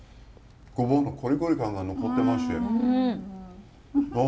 ごぼうのコリコリ感が残ってますしあっ